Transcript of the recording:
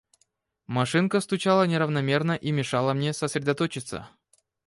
Машинка стучала неравномерно и мешала мне сосредоточиться.